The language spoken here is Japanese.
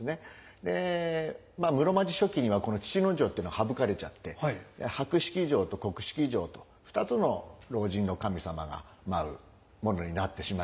で室町初期にはこの父尉っていうのは省かれちゃって白式尉と黒式尉と２つの老人の神様が舞うものになってしまいました。